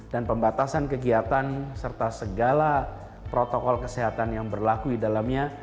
dan pembatasan kegiatan serta segala protokol kesehatan yang berlaku di dalamnya